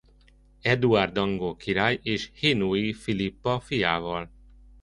Eduárd angol király és Hainaut-i Filippa fiával.